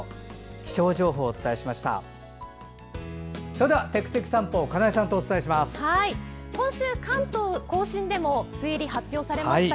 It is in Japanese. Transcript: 気象情報をお伝えしました。